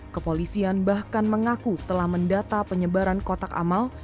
kepolisian bahkan mengaku telah mendata penyebaran kotak amal